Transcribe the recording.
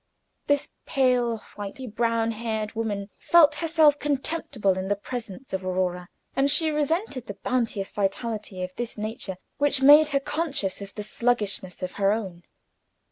This pale, whity brown haired woman felt herself contemptible in the presence of Aurora, and she resented the bounteous vitality of this nature which made her conscious of the sluggishness of her own.